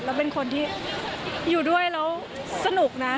แล้วเป็นคนที่อยู่ด้วยแล้วสนุกนะ